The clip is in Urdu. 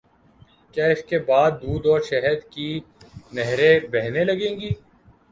کیا اس کے بعد دودھ اور شہد کی نہریں بہنے لگیں گی؟